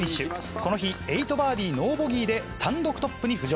この日、エイトバーディーノーボギーで単独トップに浮上。